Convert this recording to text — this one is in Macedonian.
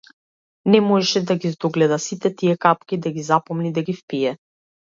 Не можеше да ги здогледа сите тие капки, да ги запомни, да ги впие.